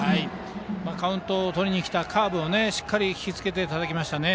カウントをとりにきたカーブをしっかり引きつけてたたきましたね。